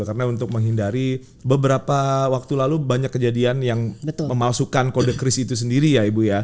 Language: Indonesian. karena untuk menghindari beberapa waktu lalu banyak kejadian yang memalsukan kode kris itu sendiri ya ibu ya